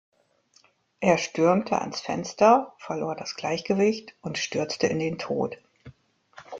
Er stürmte ans Fenster, verlor das Gleichgewicht und stürzte in den Tod.